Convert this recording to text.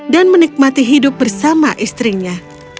dan menikmati hidup bersama istrinya